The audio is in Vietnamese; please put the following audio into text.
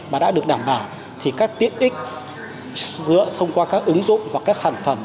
mà đã được đảm bảo thì các tiết ích dựa thông qua các ứng dụng và các sản phẩm